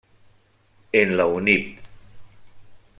En la Univ.